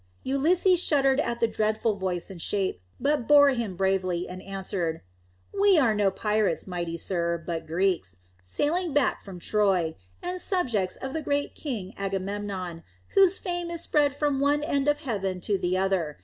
Ulysses shuddered at the dreadful voice and shape, but bore him bravely, and answered, "We are no pirates, mighty sir, but Greeks, sailing back from Troy, and subjects of the great King Agamemnon, whose fame is spread from one end of heaven to the other.